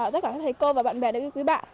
tất cả các thầy cô và bạn bè đều yêu quý bạn